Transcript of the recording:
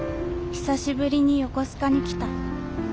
久しぶりに横須賀に来た。